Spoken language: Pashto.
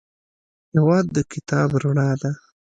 هېواد د کتاب رڼا ده.